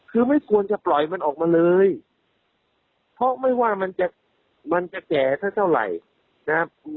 คือไม่ควรจะปล่อยมันออกมาเลยเพราะไม่ว่ามันจะมันจะแก่เท่าไหร่นะครับ